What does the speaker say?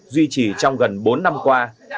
duy trì trong gần bốn năm qua